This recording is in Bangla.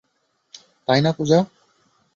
তাই না, পূজা?